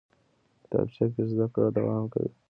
کتابچه کې زده کړه دوام کوي